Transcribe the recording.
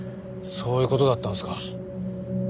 そういう事だったんですか。